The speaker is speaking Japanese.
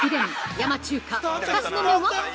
山中華２品目は。